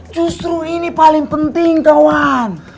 justru ini paling penting kawan